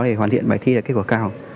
để hoàn thiện bài thi kết quả cao